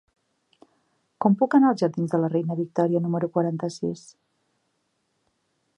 Com puc anar als jardins de la Reina Victòria número quaranta-sis?